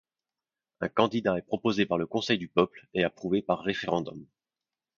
Un candidat est proposé par le Conseil du peuple et approuvé par référendum.